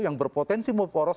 yang berpotensi membuat poros